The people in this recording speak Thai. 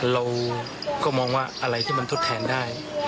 เราก็มองว่าอะไรที่มันทดแทนได้